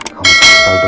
kalau bisa dipercaya